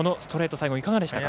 最後、いかがでしたか。